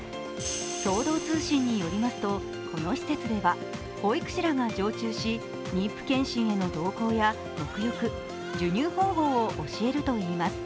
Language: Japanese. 共同通信によりますと、この施設では保育士らが常駐氏妊婦検診への同行やもく浴、授乳方法を教えるといいます。